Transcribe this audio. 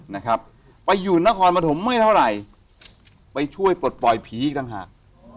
นะครับไปอยู่นครปฐมไม่เท่าไหร่ไปช่วยปลดปล่อยผีอีกต่างหาก